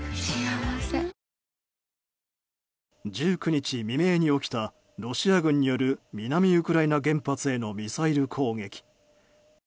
１９日未明に起きたロシア軍による南ウクライナ原発へのミサイル攻撃。